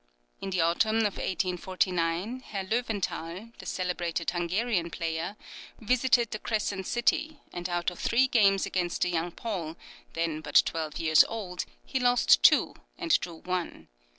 In the autumn of 1849, Herr Löwenthal, the celebrated Hungarian player, visited the Crescent City, and out of three games against the young Paul, then but twelve years old, he lost two and drew one.